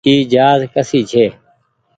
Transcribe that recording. اي جهآز ڪسي ڇي۔